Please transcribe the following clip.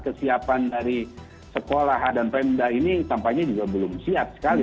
kesiapan dari sekolah dan pemda ini tampaknya juga belum siap sekali